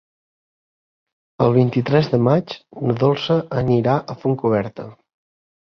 El vint-i-tres de maig na Dolça anirà a Fontcoberta.